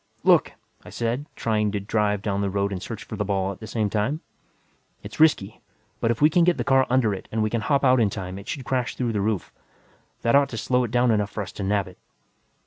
"Look," I said, trying to drive down the road and search for the ball at the same time. "It's risky, but if I can get the car under it and we can hop out in time, it should crash through the roof. That ought to slow it down enough for us to nab it."